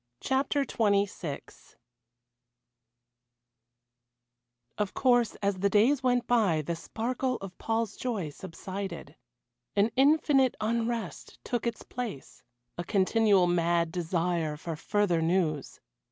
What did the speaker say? CHAPTER XXVI Of course as the days went by the sparkle of Paul's joy subsided. An infinite unrest took its place a continual mad desire for further news.